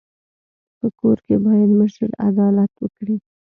په کور کي بايد مشر عدالت وکړي.